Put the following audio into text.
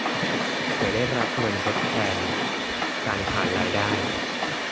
จะได้รับเงินทดแทนการขาดรายได้